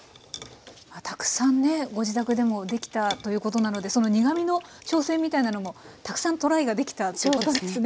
たくさんねご自宅でも出来たということなのでその苦みの調整みたいなのもたくさんトライが出来たということですね。